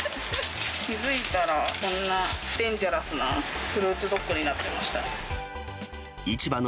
気付いたら、こんなデンジャラスなフルーツドッグになってました。